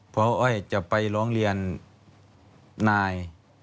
พออ้อยจะไปร้องเรียนนาย